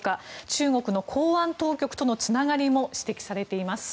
中国の公安当局とのつながりも指摘されています。